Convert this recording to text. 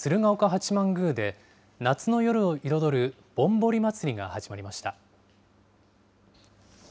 神奈川県鎌倉市の鶴岡八幡宮で、夏の夜を彩るぼんぼり祭が始まりました。